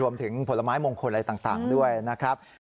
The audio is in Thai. รวมถึงผลไม้มงคลอะไรต่างต่างด้วยนะครับ